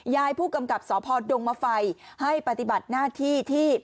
ยายผู้กำกับสพดงมไฟให้ปฏิบัติหน้าที่ที่